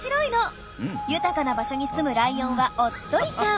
豊かな場所に住むライオンはおっとりさん。